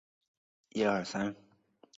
公车等他发车